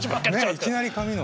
いきなり髪の。